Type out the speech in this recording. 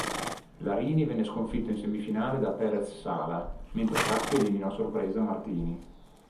Larini venne sconfitto in semifinale da Perez-Sala, mentre Caffi eliminò a sorpresa Martini.